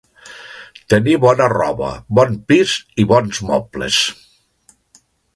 Tenir bona roba, bon pis i bons mobles;